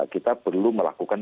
kita perlu melakukan